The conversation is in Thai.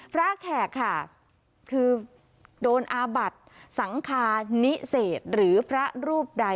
แขกค่ะคือโดนอาบัติสังคานิเศษหรือพระรูปใด